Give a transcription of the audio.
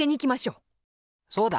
そうだ！